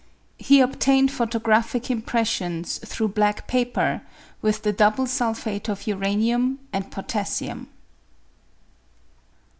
He obtained photographic impressions through black paper with the double sulphate of uranium and potassium.